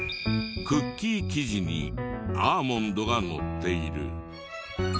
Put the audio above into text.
クッキー生地にアーモンドがのっている。